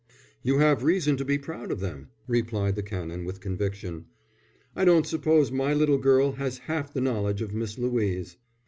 "You have reason to be proud of them," replied the Canon, with conviction. "I don't suppose my little girl has half the knowledge of Miss Louise."